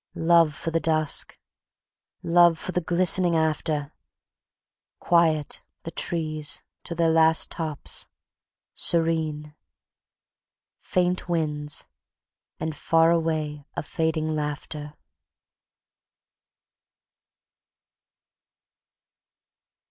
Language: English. Love for the dusk... Love for the glistening after; Quiet the trees to their last tops... serene... Faint winds, and far away a fading laughter..."